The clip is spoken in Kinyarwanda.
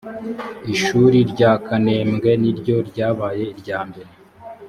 ishuri rya kanembwe niryo ryabaye iryambere.